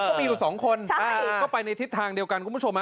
ก็มีอยู่สองคนก็ไปในทิศทางเดียวกันคุณผู้ชม